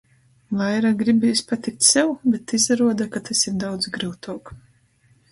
Vaira gribīs patikt sev, bet izaruoda, ka tys ir daudz gryutuok...